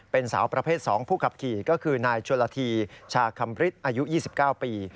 เป็นสาวประเภท๒ผู้ขับขี่ก็คือนายจุฬาธีชาคัมพริชอายุ๒๙ปี